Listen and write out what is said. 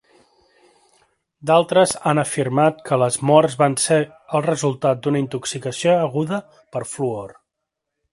D'altres han afirmat que les morts van ser el resultat d'una intoxicació aguda per fluor.